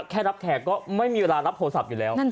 แค่รับแขกก็ไม่มีเวลารับโทรศัพท์อยู่แล้ว